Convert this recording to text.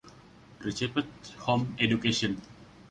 Received home education.